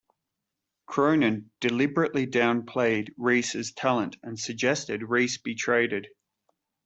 Cronin deliberately downplayed Reese's talent and suggested Reese be traded.